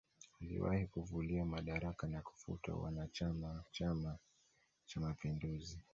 Aliwahi kuvuliwa madaraka na kufutwa uanachama wa chama cha mapinduzi